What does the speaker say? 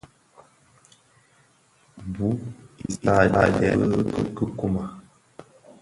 Bu i sààdee bi kikumàg.